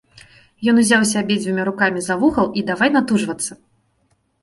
Ён узяўся абедзвюма рукамі за вугал і давай натужвацца.